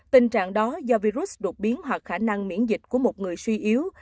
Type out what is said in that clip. tình trạng đó do virus đột biến hoặc khả năng miễn dịch của một người suy yếu